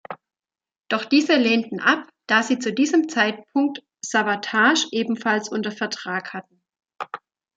Doch diese lehnten ab, da sie zu diesem Zeitpunkt Savatage ebenfalls unter Vertrag hatten.